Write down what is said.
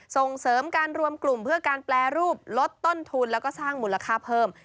ส่งเสริมการรวมกลุ่มเพื่อการแปรรูปลดต้นทุนแล้วก็สร้างมูลค่าเพิ่ม